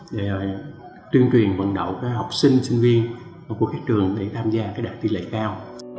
để tuyên truyền vận động các học sinh sinh viên của các trường để tham gia đạt tỷ lệ cao